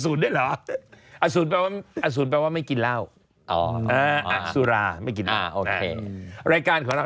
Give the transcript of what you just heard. สนุนโดยอีซูซูดีแมคบลูพาวเวอร์นวัตกรรมเปลี่ยนโลก